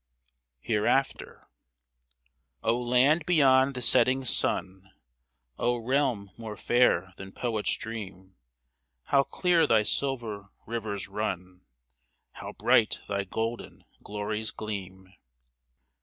HEREAFTER O LAND beyond the setting sun ! O realm more fair than poet's dream ! How clear thy silver rivers run, How bright thy golden glories gleam